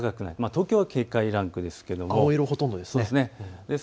東京は警戒ランクですが青色がほとんどです。